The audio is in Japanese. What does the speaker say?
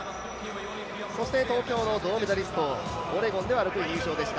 そして東京の銅メダリスト、オレゴンでは６位入賞でした。